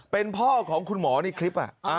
เป็นพ่อของคุณหมอในคลิป